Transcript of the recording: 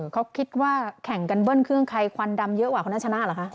เขาคิดว่าแข่งกันเบิ้ลเครื่องใครควันดำเยอะกว่าคนนั้นชนะเหรอคะ